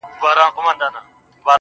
ستا ايات ايات ځواني تلاوت کړه تلاوت